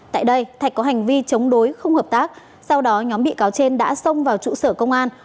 tại đây thạch có hành vi chống đối không hợp tác sau đó nhóm bị cáo trên đã xông vào trụ sở công an